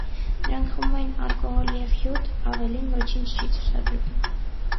Նրանք խմում էին ալկոհոլ և հյութ, ավելին ոչինչ չի ցուցադրվում։